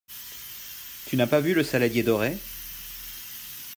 Tu n’as pas vu le saladier doré ?